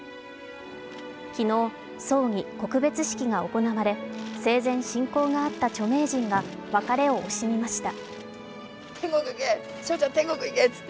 昨日、葬儀・告別式が行われ生前親交があった著名人が別れを惜しみました。